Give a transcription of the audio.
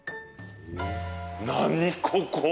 何ここ？